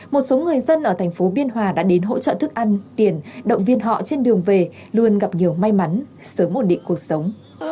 một số người dân ở thành phố biên hòa đã đến hỗ trợ thức ăn tiền động viên họ trên đường về luôn gặp nhiều may mắn sớm ổn định cuộc sống